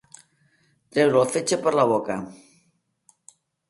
Treure el fetge per la boca.